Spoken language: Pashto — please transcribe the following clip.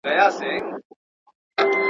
ښایسته ملکه سمه لېونۍ سوه.